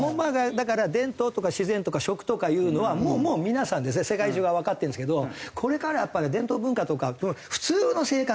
だから伝統とか自然とか食とかいうのはもう皆さんですね世界中がわかってるんですけどこれからはやっぱね伝統文化とか普通の生活。